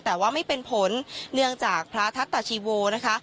แต่ว่าไม่เป็นผลเนื่องจากพระทัตตาชีโวนะคะ